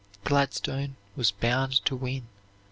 Gladstone was bound to win.